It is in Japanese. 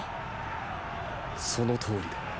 そのとおりだ。